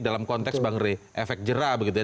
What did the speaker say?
dalam konteks bangre efek jerah